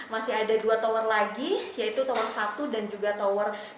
masih ada dua tower lagi yaitu tower satu dan juga tower dua